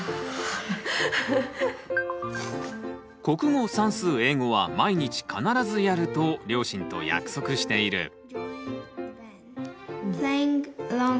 国語算数英語は毎日必ずやると両親と約束している。